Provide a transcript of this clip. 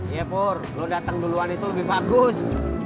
iya pur lo dateng duluan itu lebih bagus